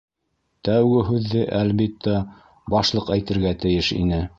Тәүге һүҙҙе, әлбиттә, Башлыҡ әйтергә тейеш ине.